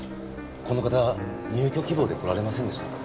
この方入居希望で来られませんでしたか？